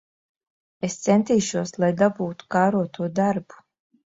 Es centīšos, lai dabūtu kāroto darbu.